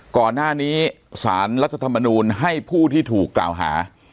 ก่อนหน้านี้สารรัฐธรรมนูลให้ผู้ที่ถูกกล่าวหา